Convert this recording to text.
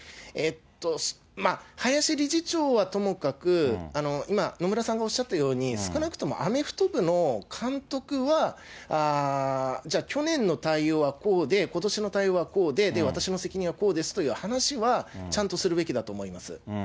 林理事長はともかく、今、野村さんがおっしゃったように、少なくともアメフト部の監督は、じゃあ、去年の対応はこうで、ことしの対応はこうで、私の責任はこうですという話は、ちゃんとするべきだと思います。